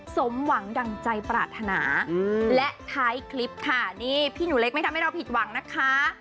สมหวังดั่งใจปรารถนาและท้ายคลิปค่ะนี่พี่หนูเล็กไม่ทำให้เราผิดหวังนะคะ